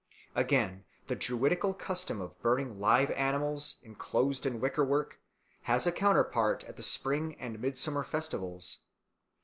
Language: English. Again, the Druidical custom of burning live animals, enclosed in wicker work, has its counterpart at the spring and midsummer festivals.